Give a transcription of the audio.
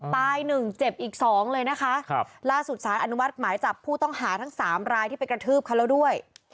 หนึ่งเจ็บอีกสองเลยนะคะล่าสุดสารอนุมัติหมายจับผู้ต้องหาทั้งสามรายที่ไปกระทืบเขาแล้วด้วย